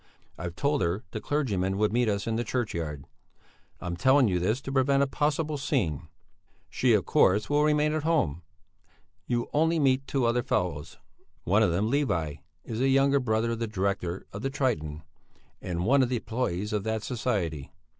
I've told her the clergyman would meet us in the churchyard; I'm telling you this to prevent a possible scene. She, of course, will remain at home. You'll only meet two other fellows; one of them, Levi, is a younger brother of the director of the 'Triton,' and one of the employés of that society.